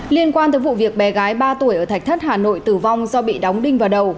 liên quan tới vụ việc bé gái ba tuổi ở thạch thất hà nội tử vong do bị đóng đinh vào đầu